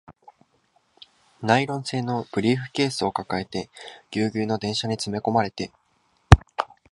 ナイロン製のブリーフケースを抱えて、ギュウギュウの電車に詰め込まれて